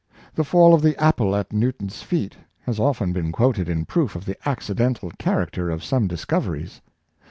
The fall of the apple at Newton's feet has often been quoted in proof of the accidental character of some discoveries.